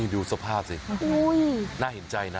ดูสภาพสิน่าเห็นใจนะ